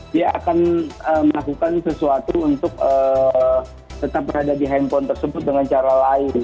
dia akan melakukan sesuatu untuk tetap berada di handphone tersebut dengan cara lain